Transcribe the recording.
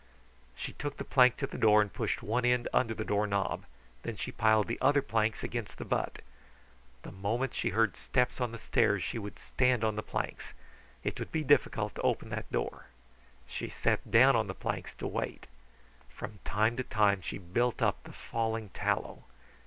She took the plank to the door and pushed one end under the door knob. Then she piled the other planks against the butt. The moment she heard steps on the stairs she would stand on the planks. It would be difficult to open that door. She sat down on the planks to wait. From time to time she built up the falling tallow.